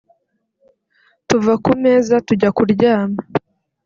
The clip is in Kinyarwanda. tuva ku meza tujya kuryama